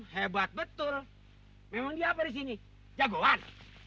hebat betul memang dia apa di sini jagoan